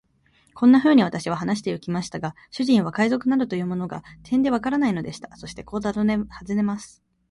こんなふうに私は話してゆきましたが、主人は海賊などというものが、てんでわからないのでした。そしてこう尋ねます。